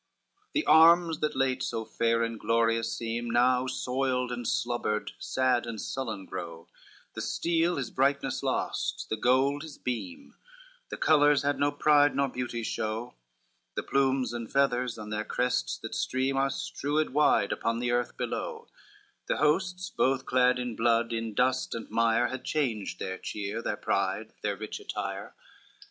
LII The arms that late so fair and glorious seem, Now soiled and slubbered, sad and sullen grow, The steel his brightness lost, the gold his beam; The colors had no pride nor beauty's show; The plumes and feathers on their crests that stream, Are strowed wide upon the earth below: The hosts both clad in blood, in dust and mire, Had changed their cheer, their pride, their rich attire.